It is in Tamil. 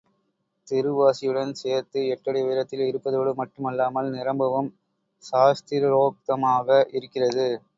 திருவாசியுடன் சேர்த்து எட்டடி உயரத்தில் இருப்பதோடு மட்டும் அல்லாமல், நிரம்பவும் சாஸ்திரோக்தமாகவும் இருக்கிறது.